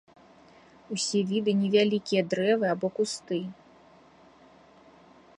Усе віды невялікія дрэвы або кусты.